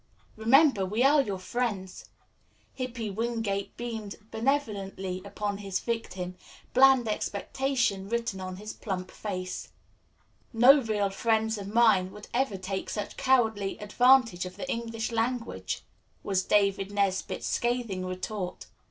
Remember, we are your friends." Hippy Wingate beamed benevolently upon his victim, bland expectation written on his plump face. "No real friend of mine would ever take such cowardly advantage of the English language," was David Nesbit's scathing retort.